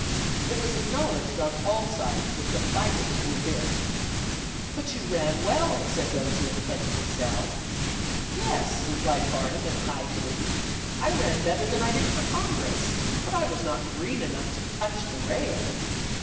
It was acknowledged on all sides that the 'biters were bit.' 'But you ran well,' said those who intended the 'sell.' 'Yes,' replied Barnum in high glee, 'I ran better than I did for Congress; but I was not green enough to touch the rail!